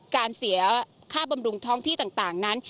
การเสียค่าบำรุงท้องที่ต่างนั้น